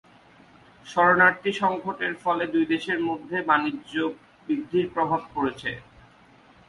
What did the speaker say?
শরণার্থী সংকটের ফলে দুই দেশের মধ্যে বাণিজ্য বৃদ্ধির প্রভাব পড়েছে।